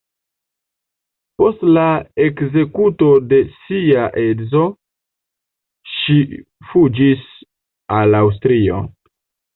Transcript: Post la ekzekuto de sia edzo ŝi fuĝis al Aŭstrio.